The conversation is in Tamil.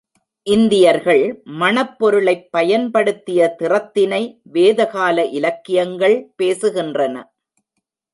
இந்தியர்கள் மணப்பொருளைப் பயன்படுத்திய திறத்தினை வேதகால இலக்கியங்கள் பேசுகின்றன.